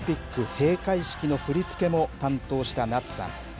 閉会式の振り付けも担当した夏さん。